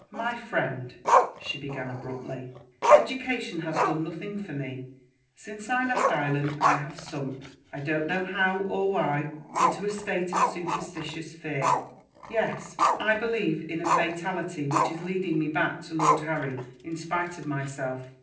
"My friend," she began abruptly, "education has done nothing for me. Since I left Ireland, I have sunk (I don't know how or why) into a state of superstitious fear. Yes! I believe in a fatality which is leading me back to Lord Harry, in spite of myself.